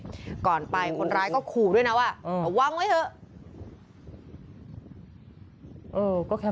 แล้วหลังจากนั้นพวกเขาพูดคำแบบนี้ผมก็ต้องตายแล้วครับ